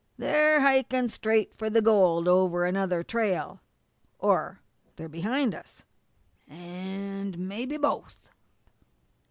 They're hikin' straight for the gold over another trail, or they're behind us, an' mebby both."